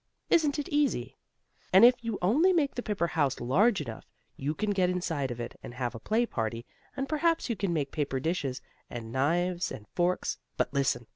Isn't it easy? And if you only make the paper house large enough, you can get inside of it and have a play party, and perhaps you can make paper dishes and knives and forks; but listen!